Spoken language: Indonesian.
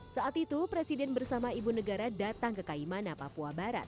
saat itu presiden bersama ibu negara datang ke kaimana papua barat